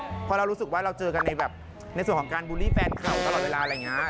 เพราะเรารู้สึกว่าเราเจอกันในแบบในส่วนของการบูลลี่แฟนเขาตลอดเวลาอะไรอย่างนี้